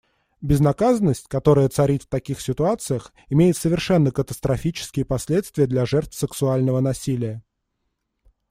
Безнаказанность, которая царит в таких ситуациях, имеет совершенно катастрофические последствия для жертв сексуального насилия.